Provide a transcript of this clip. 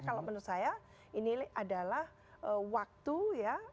kalau menurut saya ini adalah waktu ya